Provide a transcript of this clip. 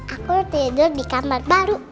aku tidur di kamar baru